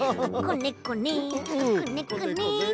こねこね！